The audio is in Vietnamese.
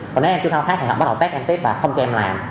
còn nếu em chưa khao khát thì họ bắt đầu test em tiếp và không cho em làm